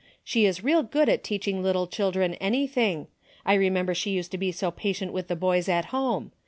She is real good at teaching little children anything. I remember she used to be so pa tient with the boys at home.